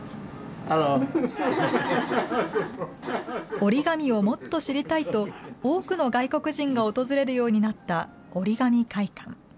折り紙をもっと知りたいと、多くの外国人が訪れるようになったおりがみ会館。